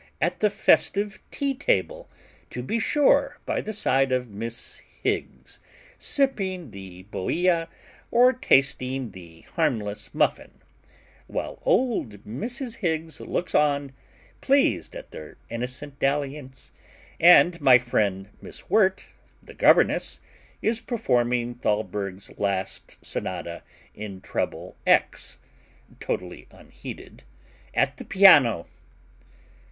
at the festive tea table, to be sure, by the side of Miss Higgs, sipping the bohea, or tasting the harmless muffin; while old Mrs. Higgs looks on, pleased at their innocent dalliance, and my friend Miss Wirt, the governess, is performing Thalberg's last sonata in treble X., totally unheeded, at the piano.